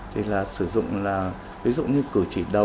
thì là sử dụng là ví dụ như cử chỉ đầu